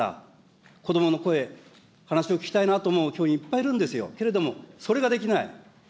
もっと時間があったら、子どもの声、話を聞きたいなと思う教員、いっぱいいるんですよ、けれども、それができない。